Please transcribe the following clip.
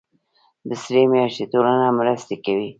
د سرې میاشتې ټولنه مرستې کوي